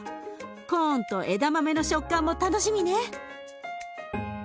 コーンと枝豆の食感も楽しみね。